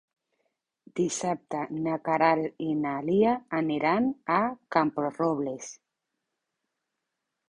Dissabte na Queralt i na Lia aniran a Camporrobles.